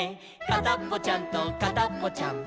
「かたっぽちゃんとかたっぽちゃん」